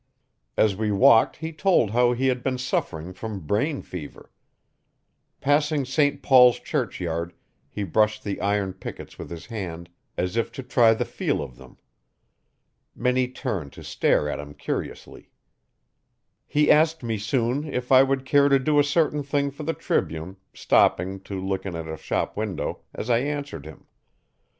As we walked he told how he had been suffering from brain fever. Passing St Paul's churchyard he brushed the iron pickets with his hand as if to try the feel of them. Many turned to stare at him curiously. He asked me, soon, if I would care to do a certain thing for the Tribune, stopping, to look in at a shop window, as I answered him.